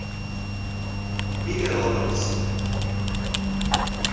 Miguelópolis